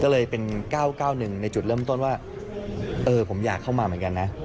ก็เลยเป็น๙๙๑ในจุดเริ่มต้นว่าเออผมอยากเข้ามาเหมือนกันนะ